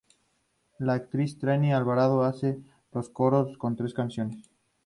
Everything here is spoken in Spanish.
La actriz Trini Alvarado hace los coros en tres canciones.